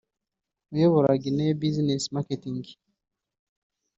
uyobora Guinée Business Marketing